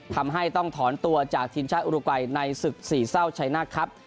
ทำให้ต้องถอนตัวจากทีมชาติอุรุกัยในศึกสี่เศร้าชัยนาคครับ